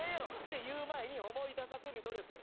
言う前に思い出させる努力。